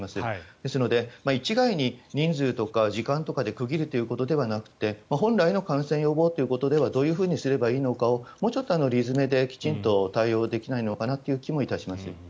ですので一概に人数とか時間とかで区切るのではなくて本来の感染予防のためにどうすればいいかということをもうちょっと理詰めできちんと対応できないのかという気もいたします。